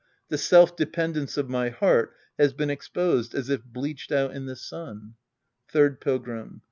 The self dependence of my heart has been exposed as if bleached out in the sun. Third Pilgrim.